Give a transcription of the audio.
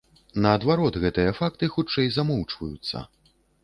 Наадварот, гэтыя факты хутчэй замоўчваюцца.